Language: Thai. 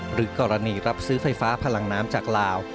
หรือกรณีรับซื้อไฟฟ้าพลังน้ำจากลาว